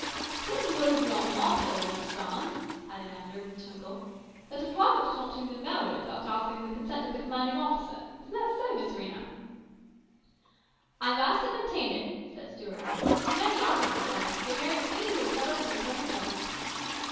" It's one of the rules of the army also, I understand," added Andrew with a twinkle, "that a private cannot even marry without asking the consent of the commanding officer. Isn't that so, Miss Rhena?" " I've asked it and obtained it," said Stuart. " The commanding officer says, ' Get married as soon as you recover from your present illness.'